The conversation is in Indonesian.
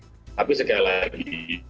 tapi sekali lagi